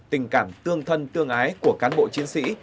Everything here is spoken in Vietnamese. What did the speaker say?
tình cảm tương thân tương ái của cán bộ chiến sĩ